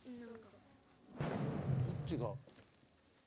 どっちが。